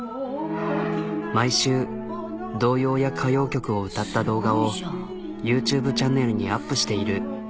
毎週童謡や歌謡曲を歌った動画をＹｏｕＴｕｂｅチャンネルにアップしている。